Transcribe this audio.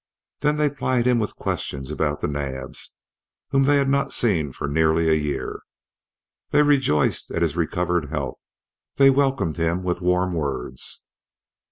Then they plied him with questions about the Naabs, whom they had not seen for nearly a year. They rejoiced at his recovered health; they welcomed him with warm words.